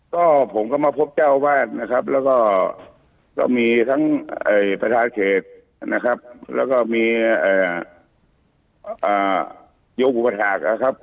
ก็ผมก็มาพบเจ้าวาดนะครับแล้วก็ก็มีทั้งประชาเขตนะครับแล้วก็มีโยมอุปถาคนะครับ